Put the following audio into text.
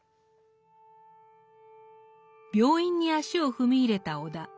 病院に足を踏み入れた尾田。